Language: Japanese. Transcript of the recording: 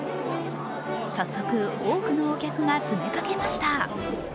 早速、多くのお客が詰めかけました。